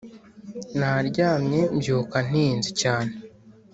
Naryamye mbyuka ntinze cyane